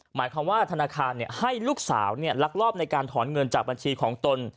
หมายความว่าธนาคารให้ลูกสาวลักลอบในการถอนเงินจากบัญชีของตน